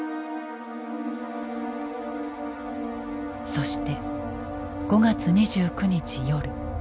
そして５月２９日夜。